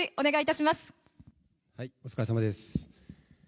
はい、お疲れさまです。